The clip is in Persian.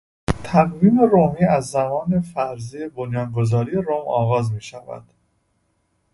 تقویم رومی از زمان فرضی بنیادگذاری روم آغاز میشد.